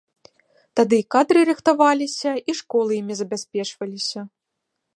Тады і кадры рыхтаваліся, і школы імі забяспечваліся.